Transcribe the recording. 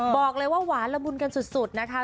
บอกเลยว่าหวานละมุนกันสุดนะคะ